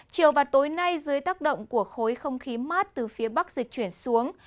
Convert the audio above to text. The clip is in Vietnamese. chiều và tối nay dưới tác động của khối không khí mát từ phía bắc dịch chuyển xuống